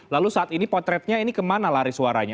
lalu saat ini potretnya ini kemana lari suaranya